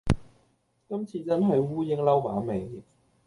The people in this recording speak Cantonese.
今次真係烏蠅褸馬尾